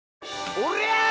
おりゃ！